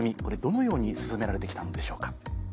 これどのように進められて来たのでしょうか？